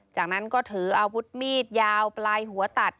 จากนั้นก็ถืออาวุธมีดยาวปลายหัวตัด